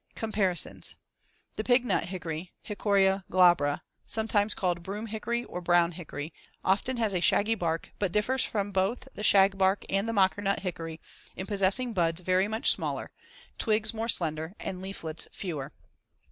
Comparisons: The pignut hickory (Hicoria glabra), sometimes called broom hickory or brown hickory, often has a shaggy bark, but differs from both the shagbark and the mockernut hickory in possessing buds very much smaller, twigs more slender and leaflets fewer.